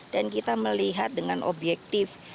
kita melihat dengan objektif